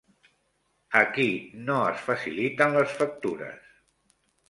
A qui no es faciliten les factures?